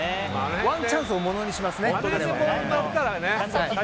ワンチャンスをものにしますね。